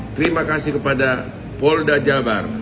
terima kasih kepada polda jabar